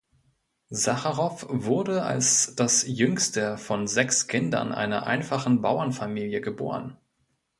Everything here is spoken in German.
Sacharow wurde als das jüngste von sechs Kindern einer einfachen Bauernfamilie geboren.